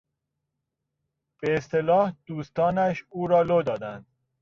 به اصطلاح دوستانش او را لو دادند.